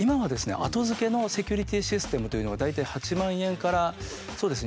後付けのセキュリティーシステムというのが大体８万円からそうですね